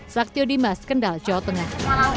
saktio dimas kendal jawa tengah